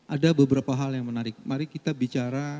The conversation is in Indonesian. ada beberapa hal yang menarik mari kita bicara